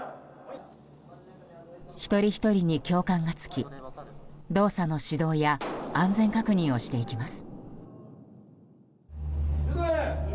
一人ひとりに教官がつき動作の指導や安全確認をしていきます。